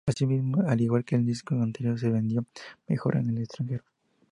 Asimismo y al igual que el disco anterior, se vendió mejor en el extranjero.